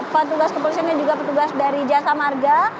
petugas kepolisiannya juga petugas dari jasa marga